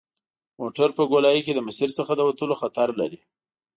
موټر په ګولایي کې د مسیر څخه د وتلو خطر لري